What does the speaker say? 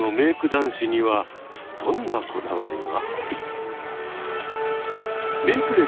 男子にはどんなこだわりが？